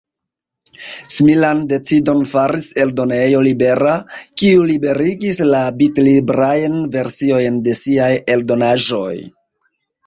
Similan decidon faris Eldonejo Libera, kiu liberigis la bitlibrajn versiojn de siaj eldonaĵoj.